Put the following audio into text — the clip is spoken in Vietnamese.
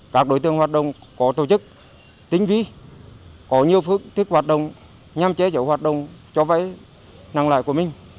các đối tượng hoạt động có tổ chức tinh vi có nhiều phương thức hoạt động nhằm chế chở hoạt động cho vay năng lãi của mình